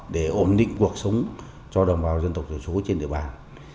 để ổn định cuộc sống cho đồng bào dân tộc thiểu số trên địa bàn